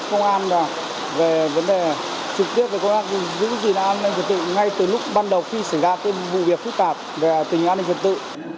công an là về vấn đề trực tiếp về công an giữ gì là an ninh trật tự ngay từ lúc ban đầu khi xảy ra cái vụ việc phức tạp về tình an ninh trật tự